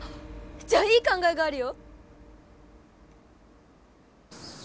じゃあいい考えがあるよ！